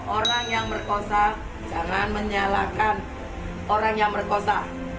orang yang merkosa jangan menyalahkan orang yang merkosa